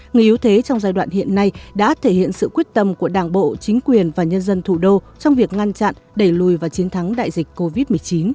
người yếu thế trong giai đoạn hiện nay đã thể hiện sự quyết tâm của đảng bộ chính quyền và nhân dân thủ đô trong việc ngăn chặn đẩy lùi và chiến thắng đại dịch covid một mươi chín